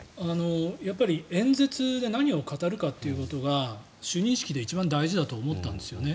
やっぱり演説で何を語るかということが就任式で一番大事だと思ったんですね。